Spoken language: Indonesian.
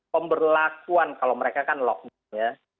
pemberlakuan kalau mereka kan lockdown ya